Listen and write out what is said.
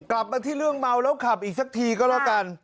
กลับมาที่เรื่องเมาแล้วขับอีกสักทีก็แล้วกัน